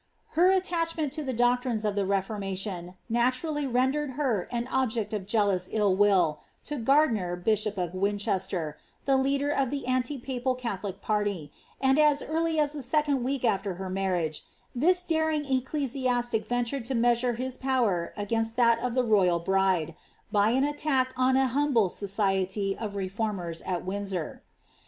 Her attachment to the doctrines of tho tion naturally rendered her an object of jealous ill will to bishop of Winchester, the leader of the anti papal Catholic pa as early as the second week aAer her marriage* this daring ec ventured to nieaiiuie liis power against that of the royal bri attack on an humble society of reformers at Windsor.